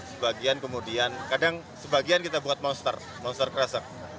sebagian kemudian kadang sebagian kita buat monster monster kresek